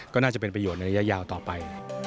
ก็น่าจะเป็นประโยชน์ในระยะยาวต่อไป